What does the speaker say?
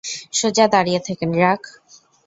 সোজা দাঁড়িয়ে থাকেন, ড্রাক!